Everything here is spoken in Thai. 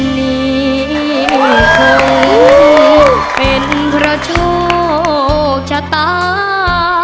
นี่คงเป็นเพราะโชคชะตา